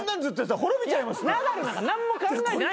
ナダルなんか何も考えてない。